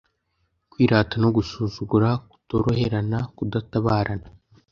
kwirata no gusuzugura, kutoroherana, kudatabarana,